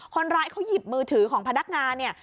คนร้ายเขาหยิบมือถือของพนักงานเนี่ย